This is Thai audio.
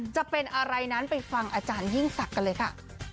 จะเป็นอะไรนั้นไปฟังอาจารยิ่งศักดิ์กันเลยค่ะ